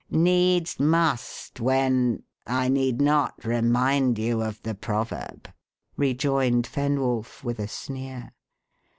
"Needs must when I need not remind you of the proverb," rejoined Fenwolf, with a sneer.